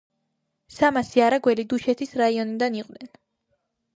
სამასი არაგველი დუშეთის რაიონიდან იყვნენ.